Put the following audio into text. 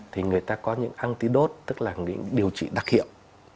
thì người ta có những antidote tức là những điều trị đặc hiệp